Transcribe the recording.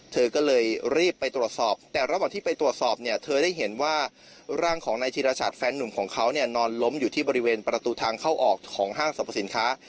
เธอก็เลยรีบไปตรวจสอบแต่ระหว่างที่ไปตรวจสอบเนี่ยเธอได้เห็นว่าร่างของนายธีรชัดแฟนหนุ่มของเขาเนี่ยนอนล้มอยู่ที่บริเวณประตูทางเข้าออกของห้างสรรพสินค้า